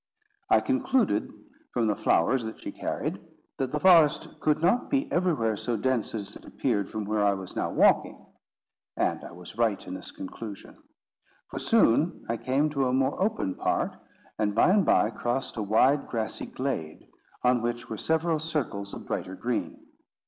I concluded from the flowers that she carried, that the forest could not be everywhere so dense as it appeared from where I was now walking; and I was right in this conclusion. For soon I came to a more open part, and by and by crossed a wide grassy glade, on which were several circles of brighter green.